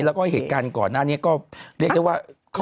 แล้วก็กกันก่อนนะอันนี้ก็เรียกได้ว่า